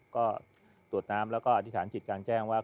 ก็ตรวจน้ำแล้วก็อธิษฐานจิตกลางแจ้งว่า